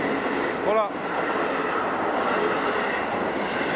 ほら。